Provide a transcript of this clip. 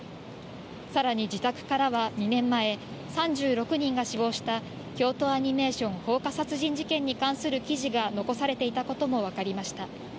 さらに自宅からは２年前、３６人が死亡した京都アニメーション放火殺人事件に関する記事が残されていたこともわかりました。